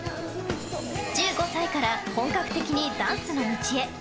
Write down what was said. １５歳から本格的にダンスの道へ。